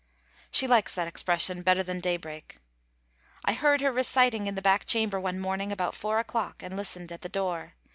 She likes that expression better than daybreak. I heard her reciting in the back chamber one morning about 4 o'clock and listened at the door.